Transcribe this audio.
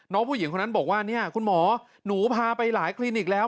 ผู้หญิงคนนั้นบอกว่าเนี่ยคุณหมอหนูพาไปหลายคลินิกแล้ว